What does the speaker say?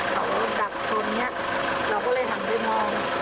เขาจับตรงนี้เราก็เลยหันไปมอง